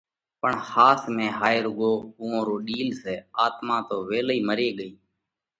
پڻ ۿاس ۾ ھائي رُوڳو اُوئون رو ڏِيل سئہ، آتما تو ويلئِي مري ڳئِيھ!